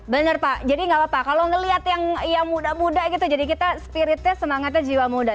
benar pak jadi nggak apa apa kalau ngelihat yang muda muda spiritnya semangatnya jiwa muda